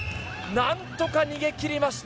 なんとか逃げ切りました。